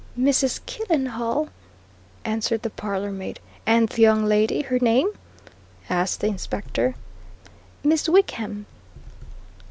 "Mrs. Killenhall," answered the parlour maid. "And the young lady her name?" asked the Inspector. "Miss Wickham."